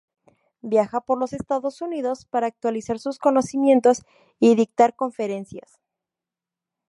Viaja por los Estados Unidos para actualizar sus conocimientos y dictar conferencias.